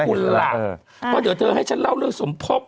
คุณล่ะเพราะเดี๋ยวเธอให้ฉันเล่าเรื่องสมภพ